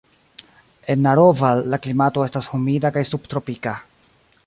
En Naroval la klimato estas humida kaj subtropika.